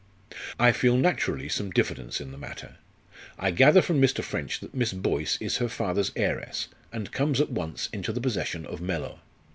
"I feel naturally some diffidence in the matter. I gather from Mr. French that Miss Boyce is her father's heiress, and comes at once into the possession of Mellor.